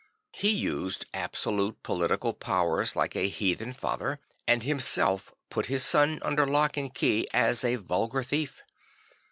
He used absolute political powers like a heathen father, and himself put his son under lock and key as a vulgar thief.